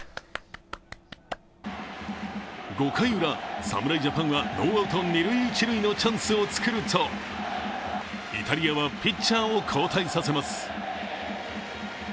５回ウラ、侍ジャパンはノーアウト二・一塁のチャンスを作るとイタリアはピッチャーを交代させます。